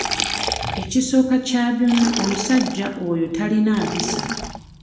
Ekisooka kya byonna omusajja oyo talina mpisa.